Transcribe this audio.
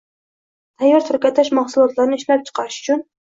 Tayyor trikotaj mahsulotlarini ishlab chiqarish uchun